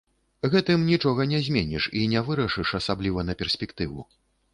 Гэтым нічога не зменіш і не вырашыш, асабліва на перспектыву.